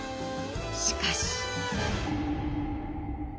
しかし。